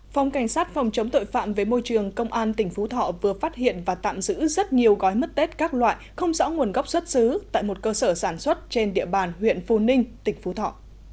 phòng cảnh sát phòng chống tội phạm với môi trường công an tỉnh phú thọ vừa phát hiện và tạm giữ rất nhiều gói mứt tết các loại không rõ nguồn gốc xuất xứ tại một cơ sở sản xuất trên địa bàn huyện phù ninh tỉnh phú thọ